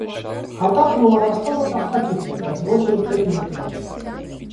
Հատակն ու առաստաղը տախտակից է, բայց ոչ երբեք ներկված։